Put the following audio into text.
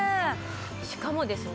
しかもですね